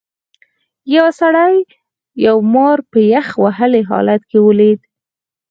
یو سړي یو مار په یخ وهلي حالت کې ولید.